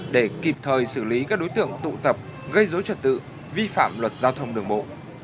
để kịp thời xử lý các đối tượng tụ tập gây dối trật tự vi phạm luật giao thông đường bộ